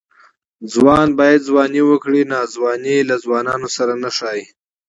ځوان باید ځواني وکړي؛ ناځواني له ځوانانو سره نه ښايي.